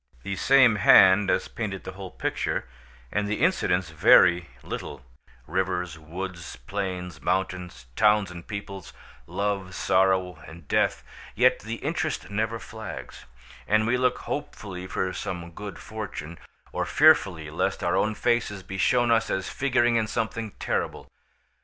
The same hand has painted the whole picture, and the incidents vary little—rivers, woods, plains, mountains, towns and peoples, love, sorrow, and death: yet the interest never flags, and we look hopefully for some good fortune, or fearfully lest our own faces be shown us as figuring in something terrible.